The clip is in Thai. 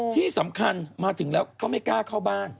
ที่สำคัญมาถึงแล้วก็ไม่กล้าเข้าบ้าน